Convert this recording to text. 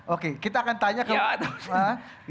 oke kita akan tanya ke bung rocky